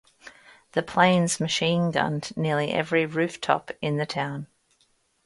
The planes machine-gunned nearly every rooftop in the town.